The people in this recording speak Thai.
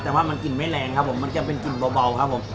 แต่ว่ามันกลิ่นไม่แรงครับผมมันจะเป็นกลิ่นเบาครับผม